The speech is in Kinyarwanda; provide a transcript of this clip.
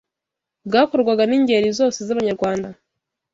Bwakorwaga n’ingeri zose z’Abanyarwanda